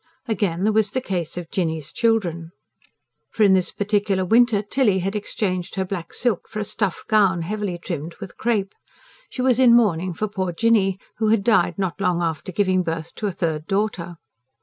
Again, there was the case of Jinny's children. For in this particular winter Tilly had exchanged her black silk for a stuff gown, heavily trimmed with crepe. She was in mourning for poor Jinny, who had died not long after giving birth to a third daughter.